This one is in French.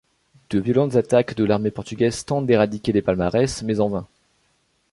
De violentes attaques de l'armée portugaise tentent d'éradiquer les Palmares, mais en vain.